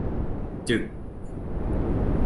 จึก